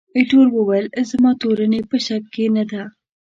ایټور وویل، زما تورني په شک کې نه ده.